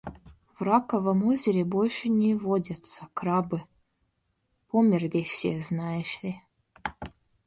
В раковом озере больше не водятся крабы. Померли все, знаешь ли.